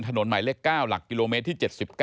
ถนนใหม่เล็ก๙หลักกิโลเมตรที่๗๙